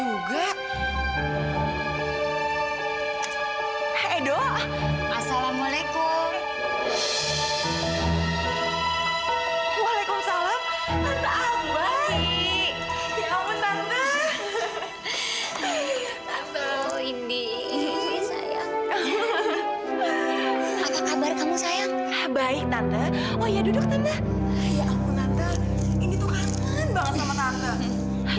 indi tuh kangen banget sama tante